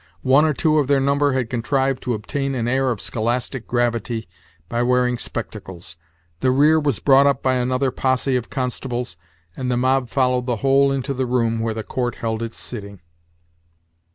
One or two of their number had contrived to obtain an air of scholastic gravity by wearing spectacles. The rear was brought up by another posse of constables, and the mob followed the whole into the room where the court held its sitting.